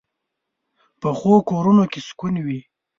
پخو کورونو کې سکون وي